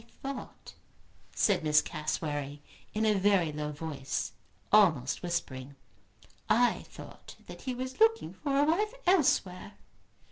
"I thought," said Miss Cassewary, in a very low voice, almost whispering, "I thought that he was looking for a wife elsewhere."